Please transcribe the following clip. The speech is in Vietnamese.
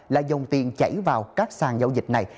là dòng tiền chảy vào các sàn giao dịch này